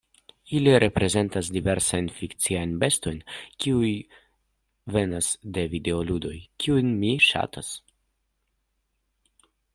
Ili reprezentas diversajn fikciajn bestojn, kiuj venas de videoludoj, kiujn mi ŝatas.